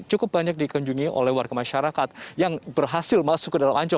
cukup banyak dikunjungi oleh warga masyarakat yang berhasil masuk ke dalam ancol